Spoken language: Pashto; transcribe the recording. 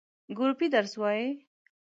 ګروپی درس وایی؟